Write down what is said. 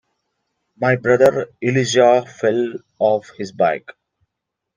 My brother Elijah fell off his bike.